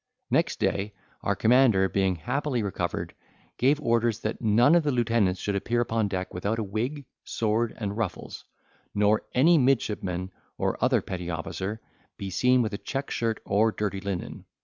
Next day, our commander being happily recovered, gave orders that none of the lieutenants should appear upon deck without a wig, sword, and ruffles; nor any midshipman, or other petty officer, be seen with a check shirt or dirty linen.